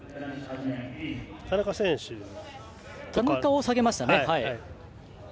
田中を下げました。